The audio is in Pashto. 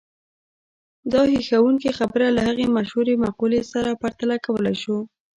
دا هيښوونکې خبره له هغې مشهورې مقولې سره پرتله کولای شو.